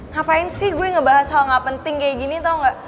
ngapain sih gue ngebahas hal gak penting kayak gini atau enggak